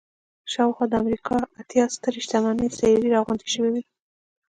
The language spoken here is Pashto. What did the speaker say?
شاوخوا د امريکا اتيا سترې شتمنې څېرې را غونډې شوې وې.